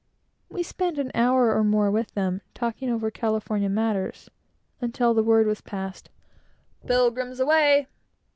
We spent an hour or more with them, talking over California matters, until the word was passed "Pilgrims, away!"